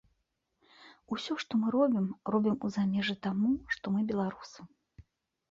Усё, што мы робім, робім у замежжы таму, што мы беларусы.